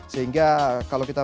sehingga kalau kita